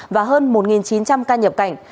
và hơn một chín trăm linh ca nhập cảnh